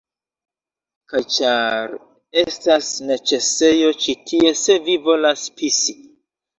Kaj ĉar... estas neĉesejo ĉi tie se vi volas pisi